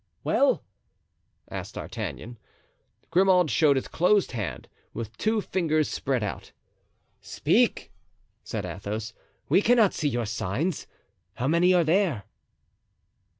"Well?" asked D'Artagnan. Grimaud showed his closed hand, with two fingers spread out. "Speak," said Athos; "we cannot see your signs. How many are there?"